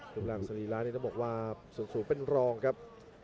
ลูกวันสรีร้านนี่ต้องบอกว่าสูงสูงเป็นรองครับ